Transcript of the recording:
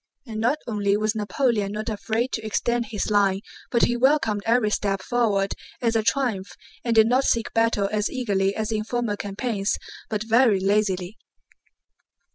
And not only was Napoleon not afraid to extend his line, but he welcomed every step forward as a triumph and did not seek battle as eagerly as in former campaigns, but very lazily.